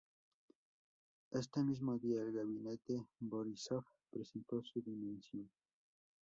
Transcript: Éste mismo día, el gabinete Borisov presentó su dimisión.